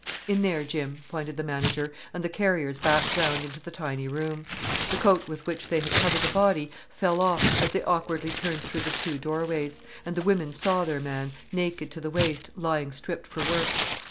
"In there, Jim!" pointed the manager, and the carriers backed round into the tiny room. The coat with which they had covered the body fell off as they awkwardly turned through the two doorways, and the women saw their man, naked to the waist, lying stripped for work.